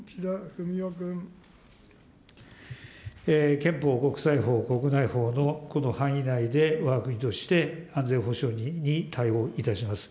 憲法、国際法、国内法のこの範囲内で、わが国として、安全保障に対応いたします。